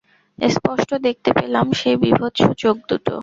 স্পষ্ট দেখতে পেলাম সেই বীভৎস চোখদুটো।